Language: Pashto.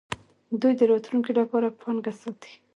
دوی د راتلونکي لپاره پانګه ساتي.